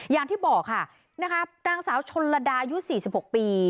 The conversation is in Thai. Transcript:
อย่างที่บอกค่ะนะครับนางสาวชนลดายุ๔๖ปี